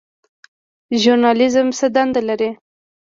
ژورنالیزم څه دنده لري؟